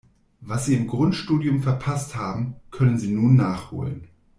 Was Sie im Grundstudium verpasst haben, können Sie nun nachholen.